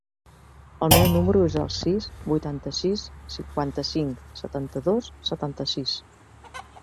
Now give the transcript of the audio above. El meu número es el sis, vuitanta-sis, cinquanta-cinc, setanta-dos, setanta-sis.